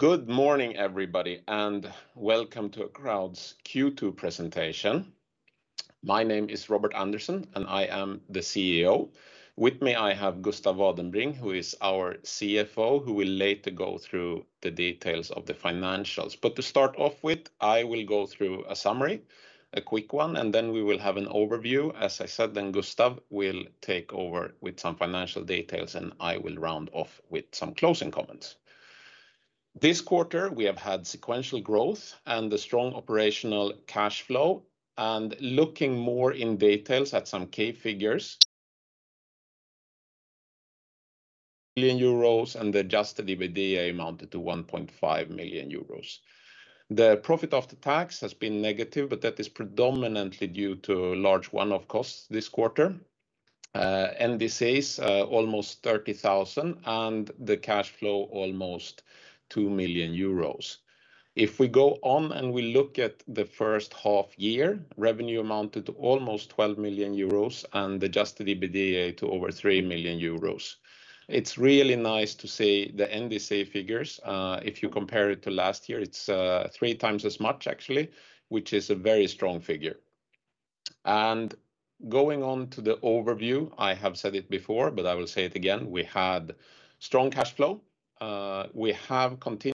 Good morning, everybody, and welcome to Acroud's Q2 Presentation. My name is Robert Andersson, and I am the CEO. With me, I have Gustav Vadenbring, who is our CFO, who will later go through the details of the financials. To start off with, I will go through a summary, a quick one, and then we will have an overview. As I said, Gustav will take over with some financial details, and I will round off with some closing comments. This quarter, we have had sequential growth and a strong operational cash flow. Looking more in details at some key figures, million euros and the Adjusted EBITDA amounted to 1.5 million euros. The profit after tax has been negative, but that is predominantly due to large one-off costs this quarter. NDCs almost 30,000, and the cash flow almost 2 million euros. If we go on and we look at the first half year, revenue amounted to almost 12 million euros and Adjusted EBITDA to over 3 million euros. It's really nice to see the NDC figures. If you compare it to last year, it's 3x as much actually, which is a very strong figure. Going on to the overview, I have said it before, but I will say it again, we had strong cash flow. We have continued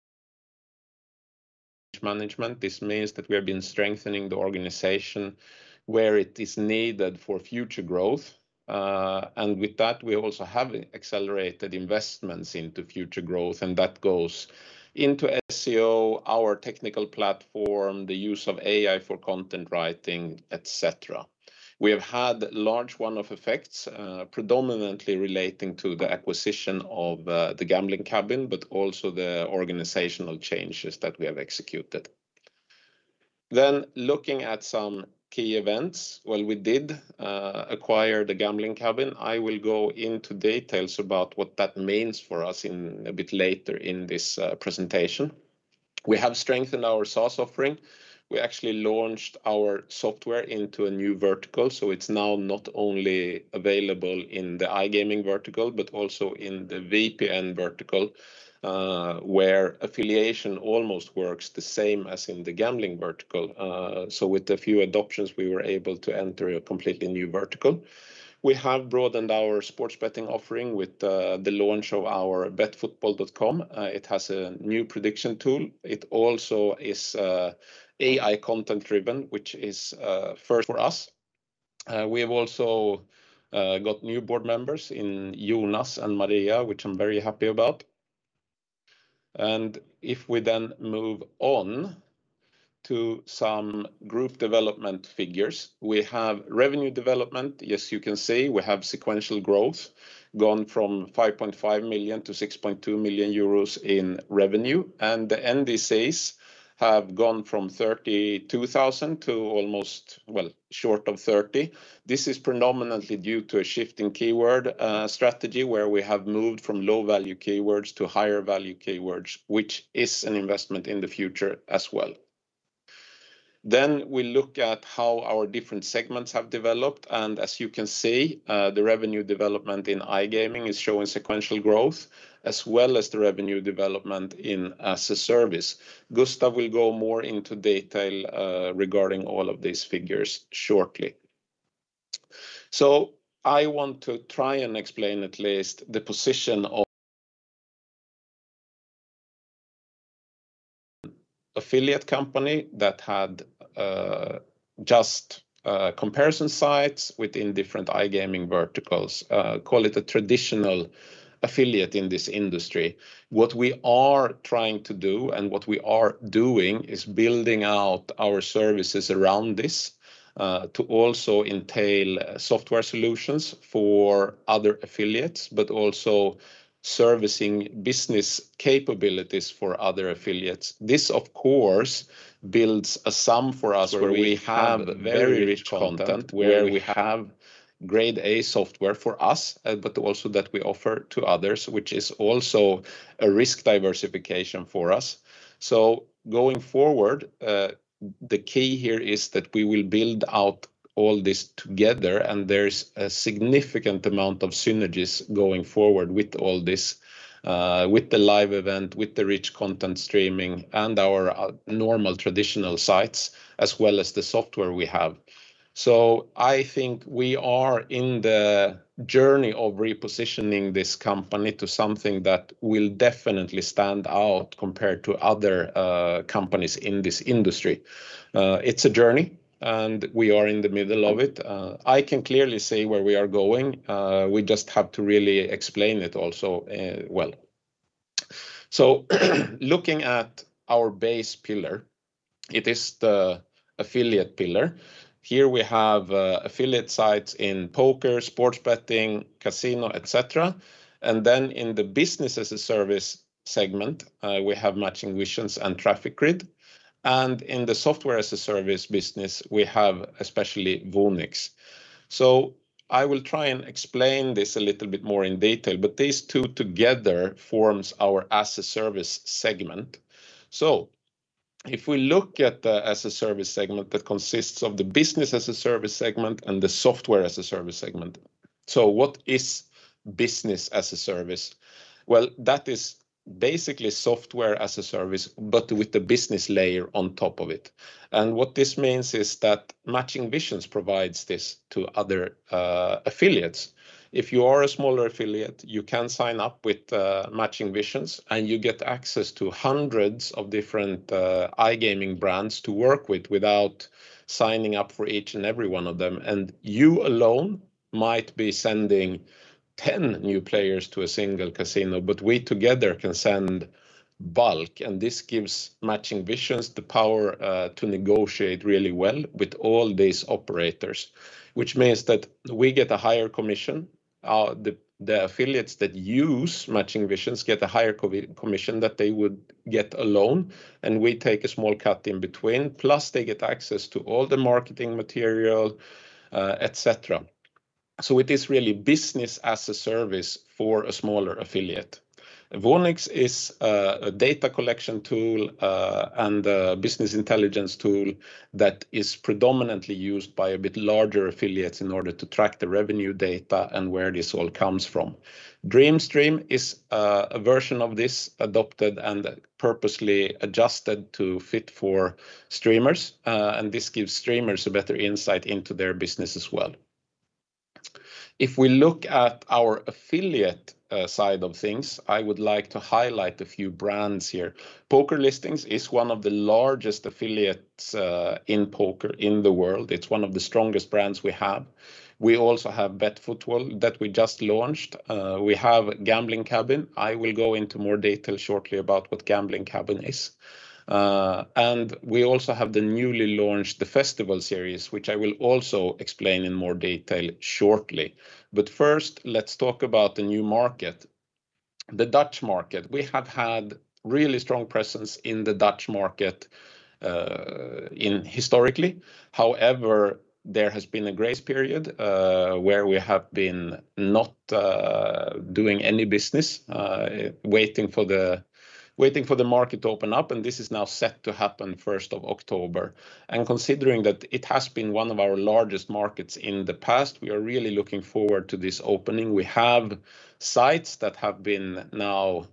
management. This means that we have been strengthening the organization where it is needed for future growth. With that, we also have accelerated investments into future growth, and that goes into SEO, our technical platform, the use of AI for content writing, et cetera. We have had large one-off effects, predominantly relating to the acquisition of The Gambling Cabin, but also the organizational changes that we have executed. Looking at some key events. Well, we did acquire The Gambling Cabin. I will go into details about what that means for us a bit later in this presentation. We have strengthened our SaaS offering. We actually launched our software into a new vertical, so it's now not only available in the iGaming vertical but also in the VPN vertical, where affiliation almost works the same as in the gambling vertical. With a few adoptions, we were able to enter a completely new vertical. We have broadened our sports betting offering with the launch of our betfootball.com. It has a new prediction tool. It also is AI content-driven, which is first for us. We have also got new board members in Jonas and Maria, which I'm very happy about. If we then move on to some group development figures, we have revenue development. Yes, you can see we have sequential growth, gone from 5.5 million to 6.2 million euros in revenue, and the NDCs have gone from 32,000 to almost, well, short of 30,000. This is predominantly due to a shift in keyword strategy where we have moved from low-value keywords to higher-value keywords, which is an investment in the future as well. We look at how our different segments have developed, and as you can see, the revenue development in iGaming is showing sequential growth, as well as the revenue development in as a service. Gustav will go more into detail regarding all of these figures shortly. I want to try and explain at least the position of affiliate company that had just comparison sites within different iGaming verticals. Call it a traditional affiliate in this industry. What we are trying to do and what we are doing is building out our services around this to also entail software solutions for other affiliates, but also servicing business capabilities for other affiliates. This, of course, builds a sum for us where we have very rich content, where we have grade A software for us, but also that we offer to others, which is also a risk diversification for us. Going forward, the key here is that we will build out all this together, and there's a significant amount of synergies going forward with all this, with the live event, with the rich content streaming, and our normal traditional sites, as well as the software we have. I think we are in the journey of repositioning this company to something that will definitely stand out compared to other companies in this industry. It's a journey, and we are in the middle of it. I can clearly see where we are going. We just have to really explain it also well. Looking at our base pillar, it is the affiliate pillar. Here we have affiliate sites in poker, sports betting, casino, et cetera. In the Business as a Service segment, we have Matching Visions and Traffic Grid. In the Software as a Service business, we have especially Voonix. I will try and explain this a little bit more in detail, but these two together forms our as a service segment. If we look at the as-a-service segment that consists of the Business as a Service segment and the Software as a Service segment. What is Business as a Service? Well, that is basically Software as a Service, but with the business layer on top of it. What this means is that Matching Visions provides this to other affiliates. If you are a smaller affiliate, you can sign up with Matching Visions, and you get access to hundreds of different iGaming brands to work with without signing up for each and every one of them. You alone might be sending 10 new players to a single casino, but we together can send bulk, and this gives Matching Visions the power to negotiate really well with all these operators. Which means that we get a higher commission, the affiliates that use Matching Visions get a higher commission that they would get alone, and we take a small cut in between, plus they get access to all the marketing material, et cetera. It is really business as-a-service for a smaller affiliate. Voonix is a data collection tool and a business intelligence tool that is predominantly used by a bit larger affiliates in order to track the revenue data and where this all comes from. DreamStream is a version of this adopted and purposely adjusted to fit for streamers. This gives streamers a better insight into their business as well. If we look at our affiliate side of things, I would like to highlight a few brands here. PokerListings is one of the largest affiliates in poker in the world. It's one of the strongest brands we have. We also have betfootball.com that we just launched. We have The Gambling Cabin. I will go into more detail shortly about what The Gambling Cabin is. We also have the newly launched The Festival Series, which I will also explain in more detail shortly. First, let's talk about the new market, the Dutch market. We have had really strong presence in the Dutch market historically. However, there has been a grace period, where we have been not doing any business, waiting for the market to open up, and this is now set to happen 1st of October. Considering that it has been one of our largest markets in the past, we are really looking forward to this opening. We have sites that have been now,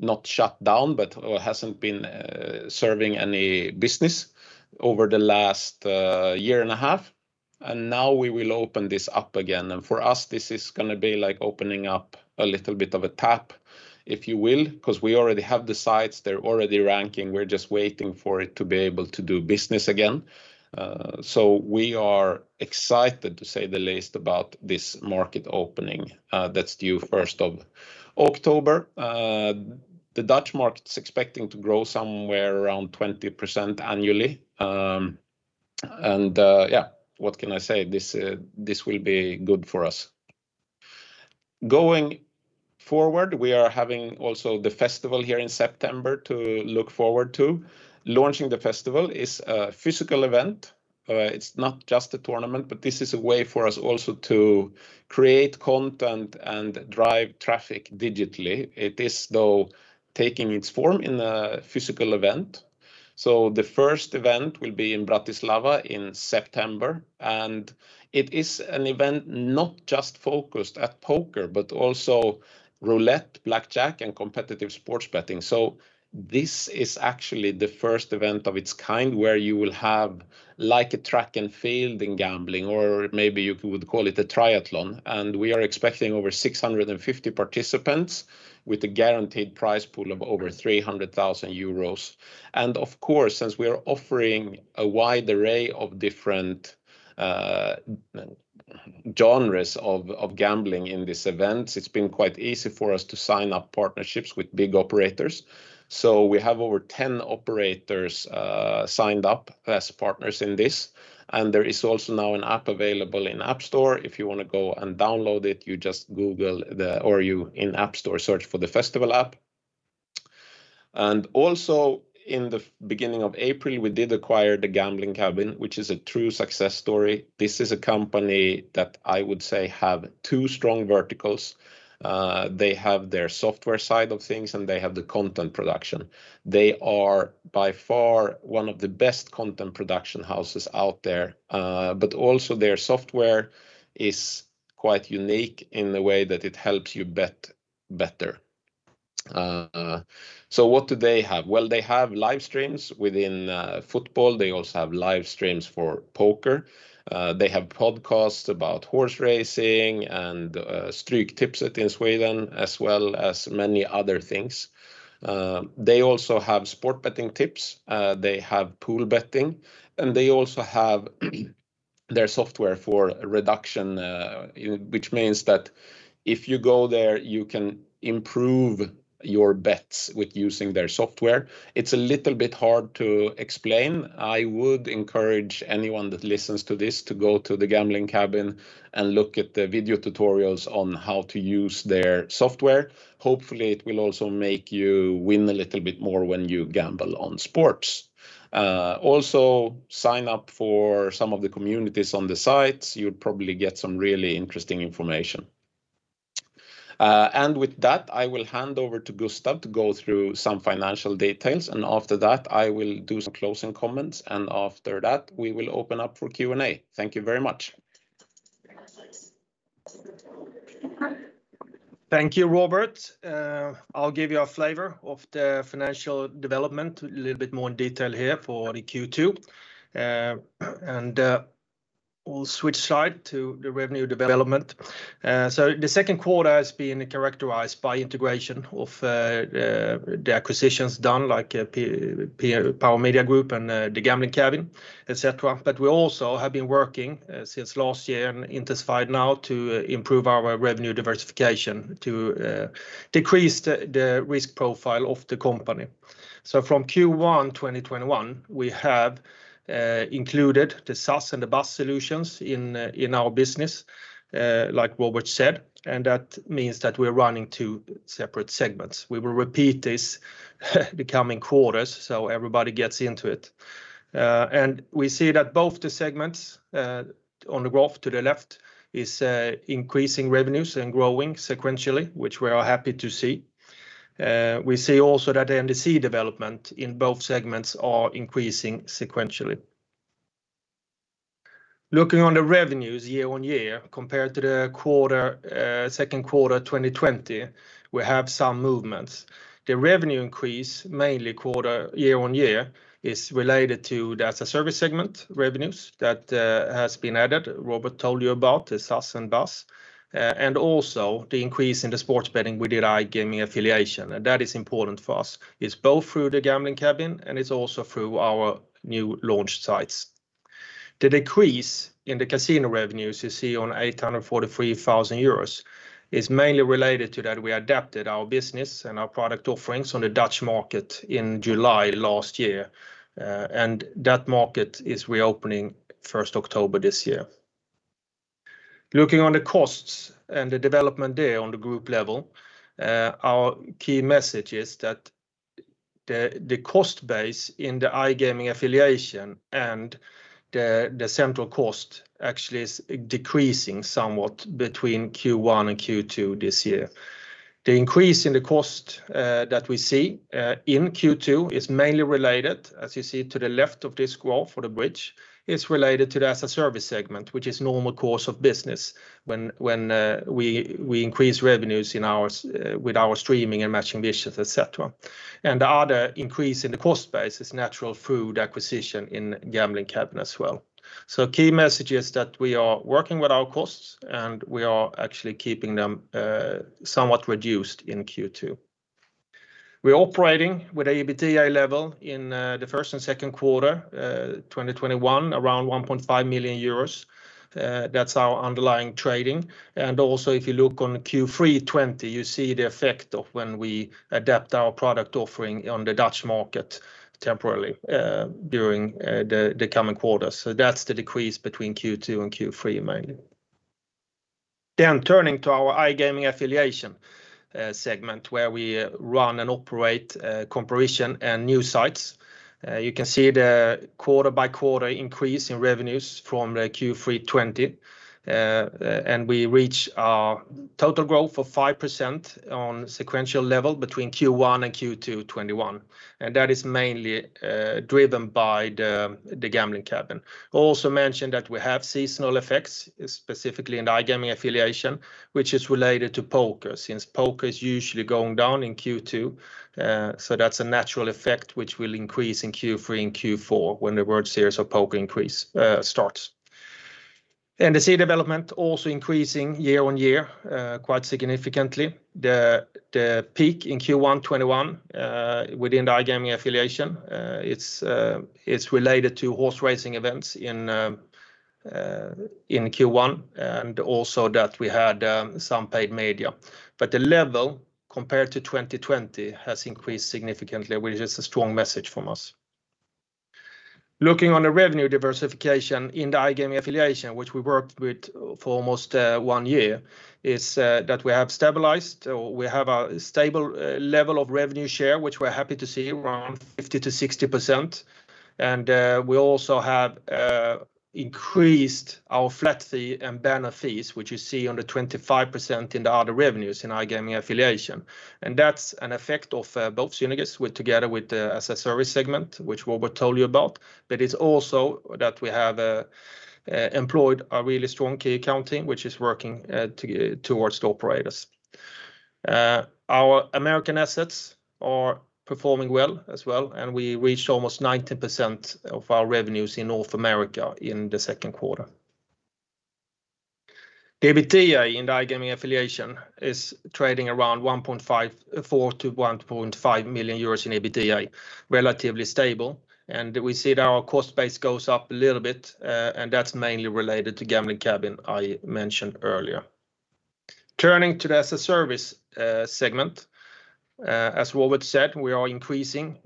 not shut down, but hasn't been serving any business over the last year and a half, and now we will open this up again. For us, this is going to be like opening up a little bit of a tap, if you will, because we already have the sites, they're already ranking. We're just waiting for it to be able to do business again. We are excited to say the least about this market opening that's due 1st October. The Dutch market's expecting to grow somewhere around 20% annually. What can I say? This will be good for us. Going forward, we are having also The Festival here in September to look forward to. Launching The Festival is a physical event. It's not just a tournament, but this is a way for us also to create content and drive traffic digitally. It is though, taking its form in a physical event. The first event will be in Bratislava in September, and it is an event not just focused at poker, but also roulette, blackjack, and competitive sports betting. This is actually the first event of its kind where you will have a track and field in gambling, or maybe you could call it a triathlon, and we are expecting over 650 participants with a guaranteed prize pool of over 300,000 euros. Of course, since we are offering a wide array of different genres of gambling in this event, it has been quite easy for us to sign up partnerships with big operators. We have over 10 operators signed up as partners in this, and there is also now an app available in App Store. If you want to go and download it, you just Google or you in App Store search for The Festival app. Also in the beginning of April, we did acquire The Gambling Cabin, which is a true success story. This is a company that I would say have two strong verticals. They have their software side of things, and they have the content production. They are by far one of the best content production houses out there. Also their software is quite unique in the way that it helps you bet better. What do they have? Well, they have live streams within football. They also have live streams for poker. They have podcasts about horse racing and Stryktipset in Sweden, as well as many other things. They also have sport betting tips. They have pool betting, and they also have their software for reduction, which means that if you go there, you can improve your bets with using their software. It's a little bit hard to explain. I would encourage anyone that listens to this to go to The Gambling Cabin and look at the video tutorials on how to use their software. Hopefully, it will also make you win a little bit more when you gamble on sports. Sign up for some of the communities on the sites. You'll probably get some really interesting information. With that, I will hand over to Gustav to go through some financial details. After that, I will do some closing comments. After that, we will open up for Q&A. Thank you very much. Thank you, Robert. I'll give you a flavor of the financial development, a little bit more in detail here for Q2. We'll switch slide to the revenue development. The second quarter has been characterized by integration of the acquisitions done, like Power Media Group and The Gambling Cabin, et cetera. We also have been working since last year and intensified now to improve our revenue diversification to decrease the risk profile of the company. From Q1 2021, we have included the SaaS and the BaaS solutions in our business, like Robert said, and that means that we're running two separate segments. We will repeat this the coming quarters so everybody gets into it. We see that both the segments on the graph to the left is increasing revenues and growing sequentially, which we are happy to see. We see also that NDC development in both segments are increasing sequentially. Looking on the revenues year-over-year compared to Q2 2020, we have some movements. The revenue increase, mainly year-over-year, is related to the as a service segment revenues that has been added. Robert told you about the SaaS and BaaS, and also the increase in the sports betting with the iGaming Affiliation, and that is important for us. It's both through The Gambling Cabin, and it's also through our new launch sites. The decrease in the casino revenues you see on 843,000 euros is mainly related to that we adapted our business and our product offerings on the Dutch market in July last year, and that market is reopening 1st October this year. Looking on the costs and the development there on the group level, our key message is that the cost base in the iGaming Affiliation and the central cost actually is decreasing somewhat between Q1 and Q2 this year. The increase in the cost that we see in Q2, as you see to the left of this graph or the bridge, is related to the as a service segment, which is normal course of business when we increase revenues with our streaming and matching business, et cetera. The other increase in the cost base is natural through the acquisition in Gambling Cabin as well. Key message is that we are working with our costs, and we are actually keeping them somewhat reduced in Q2. We're operating with EBITDA level in Q1 and Q2 2021 around 1.5 million euros. That's our underlying trading. If you look on Q3 2020, you see the effect of when we adapt our product offering on the Dutch market temporarily during the coming quarters. That's the decrease between Q2 and Q3 mainly. Turning to our iGaming Affiliation segment where we run and operate comparison and new sites. You can see the quarter-by-quarter increase in revenues from the Q3 2020, and we reach our total growth of 5% on sequential level between Q1 and Q2 2021. That is mainly driven by The Gambling Cabin. Mentioned that we have seasonal effects, specifically in iGaming Affiliation, which is related to poker, since poker is usually going down in Q2. That's a natural effect which will increase in Q3 and Q4 when the World Series of Poker starts. NDC development also increasing year-on-year quite significantly. The peak in Q1 2021 within the iGaming Affiliation, it's related to horse racing events in Q1, and also that we had some paid media. The level compared to 2020 has increased significantly, which is a strong message from us. Looking on the revenue diversification in the iGaming Affiliation, which we worked with for almost one year, is that we have stabilized, or we have a stable level of revenue share, which we're happy to see, around 50%-60%. We also have increased our flat fee and banner fees, which you see on the 25% in the other revenues in iGaming Affiliation. That's an effect of both Unikrn together with the as a service segment, which Robert Andersson told you about, but it's also that we have employed a really strong key account team, which is working towards the operators. Our American assets are performing well as well, and we reached almost 90% of our revenues in North America in Q2. EBITDA in iGaming Affiliation is trading around 1.4 to 1.5 million euros in EBITDA, relatively stable, and we see that our cost base goes up a little bit, and that's mainly related to TheGamblingCabin I mentioned earlier. Turning to the as a service segment, as Robert said, we are increasing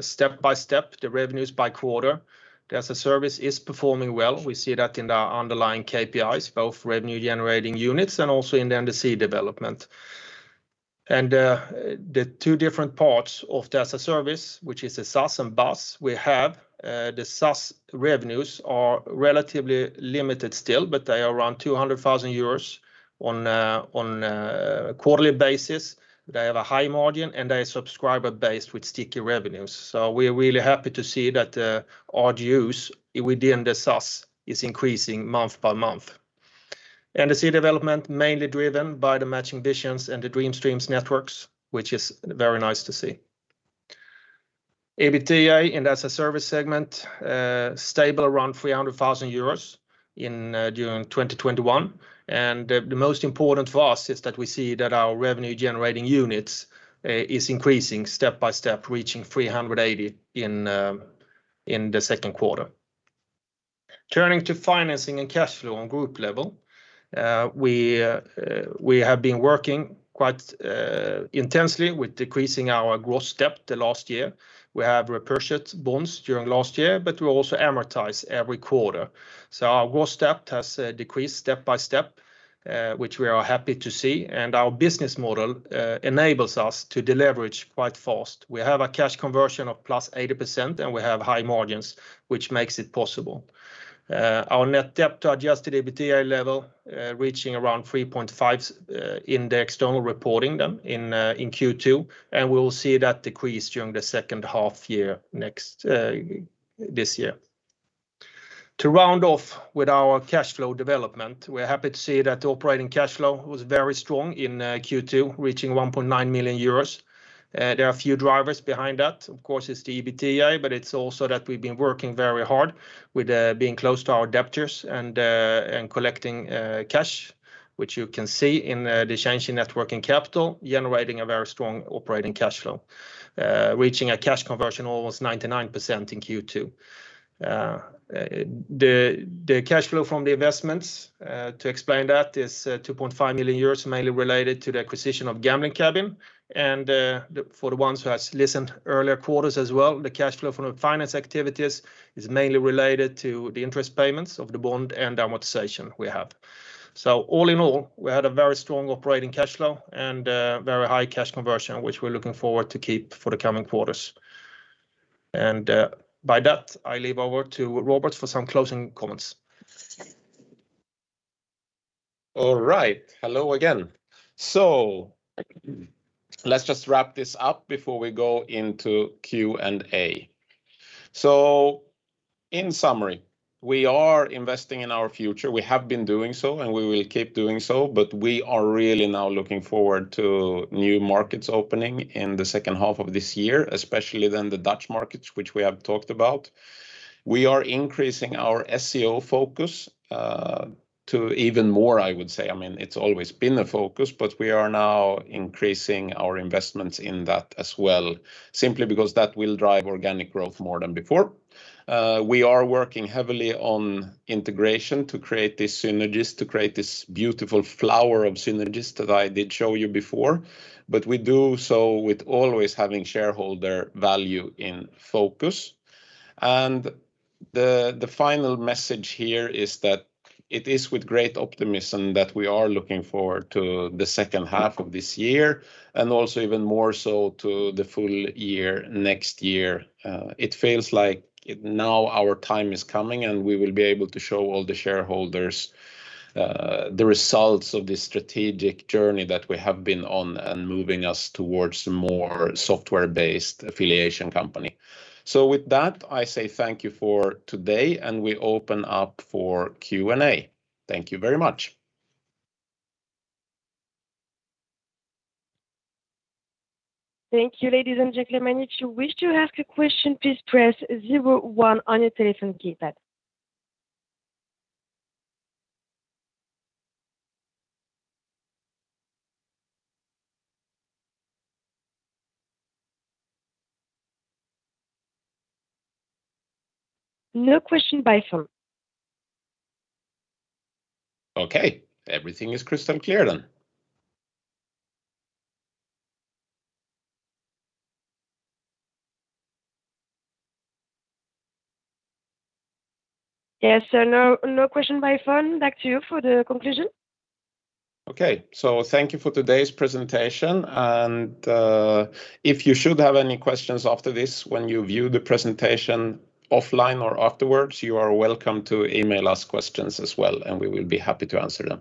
step-by-step the revenues by quarter. The as a service is performing well. We see that in our underlying KPIs, both revenue-generating units and also in the NDC development. The two different parts of the as-a-service, which is the SaaS and BaaS we have, the SaaS revenues are relatively limited still, but they are around 200,000 euros on a quarterly basis. They have a high margin, and they are subscriber-based with sticky revenues. We are really happy to see that our use within the SaaS is increasing month by month. The NDC development, mainly driven by the Matching Visions and the Dreamstream networks, which is very nice to see. EBITDA in SaaS segment, stable around 300,000 euros during 2021. The most important for us is that we see that our revenue-generating units is increasing step by step, reaching 380 in Q2. Turning to financing and cash flow on group level. We have been working quite intensely with decreasing our gross debt the last year. We have repurchased bonds during last year, but we also amortize every quarter. Our gross debt has decreased step by step, which we are happy to see, and our business model enables us to deleverage quite fast. We have a cash conversion of +80%, and we have high margins, which makes it possible. Our net debt to Adjusted EBITDA level, reaching around 3.5 in the external reporting in Q2, and we will see that decrease during the H2 this year. To round off with our cash flow development, we're happy to see that operating cash flow was very strong in Q2, reaching 1.9 million euros. There are a few drivers behind that. Of course, it's the EBITDA, but it's also that we've been working very hard with being close to our debtors and collecting cash, which you can see in the changing net working capital, generating a very strong operating cash flow, reaching a cash conversion almost 99% in Q2. The cash flow from the investments, to explain that, is 2.5 million euros, mainly related to the acquisition of The Gambling Cabin. For the ones who has listened earlier quarters as well, the cash flow from the finance activities is mainly related to the interest payments of the bond and amortization we have. All in all, we had a very strong operating cash flow and very high cash conversion, which we're looking forward to keep for the coming quarters. By that, I leave over to Robert for some closing comments. All right. Hello again. Let's just wrap this up before we go into Q&A. In summary, we are investing in our future. We have been doing so, and we will keep doing so, but we are really now looking forward to new markets opening in H2 of this year, especially in the Dutch markets, which we have talked about. We are increasing our SEO focus to even more, I would say. It's always been a focus, we are now increasing our investments in that as well, simply because that will drive organic growth more than before. We are working heavily on integration to create these synergies, to create this beautiful flower of synergies that I did show you before. We do so with always having shareholder value in focus. The final message here is that it is with great optimism that we are looking forward to H2 of this year, and also even more so to the full year next year. It feels like now our time is coming, and we will be able to show all the shareholders the results of this strategic journey that we have been on and moving us towards a more software-based affiliation company. With that, I say thank you for today, and we open up for Q&A. Thank you very much. Thank you, ladies and gentlemen. If you wish to ask a question please press zero, one on your telephone keypad. No question by phone. Okay. Everything is crystal clear, then. Yes. No question by phone. Back to you for the conclusion. Okay. Thank you for today's presentation. If you should have any questions after this when you view the presentation offline or afterwards, you are welcome to email us questions as well, and we will be happy to answer them.